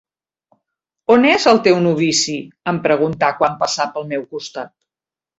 On és el teu novici? —em pregunta quan passa pel meu costat.